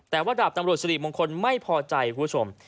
แต่ว่าดาบตำรวจสิริมงคลไม่พอใจคุณผู้ชม